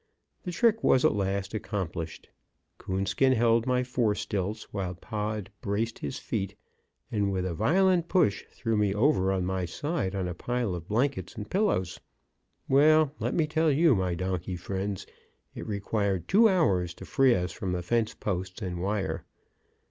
The trick was, at last, accomplished. Coonskin held my fore stilts, while Pod braced his feet, and with a violent push threw me over on my side on a pile of blankets and pillows. Well, let me tell you, my donkey friends, it required two hours to free us from the fence posts and wire.